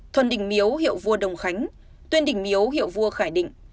thuần đỉnh miếu hiệu vua đồng khánh tuyên đỉnh miếu hiệu vua khải định